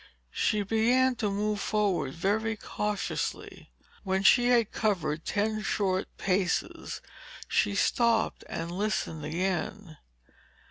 She began to move forward very cautiously. When she had covered ten short paces, she stopped and listened again.